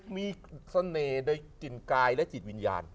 มีเสน่ห์ในจิตกายและจิตวิญญาณ